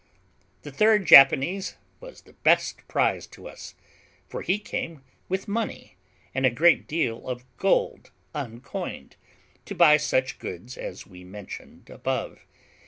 The third Japanese was the best prize to us; for he came with money, and a great deal of gold uncoined, to buy such goods as we mentioned above.